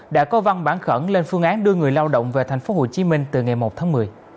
đã có văn bản khẩn lên phương án đưa người lao động về thành phố hồ chí minh từ ngày một tháng một mươi